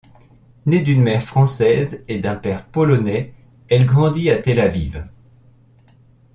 Née d'une mère française et d'un père polonais elle grandit à Tel-Aviv.